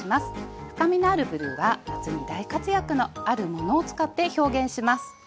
深みのあるブルーは夏に大活躍のあるものを使って表現します。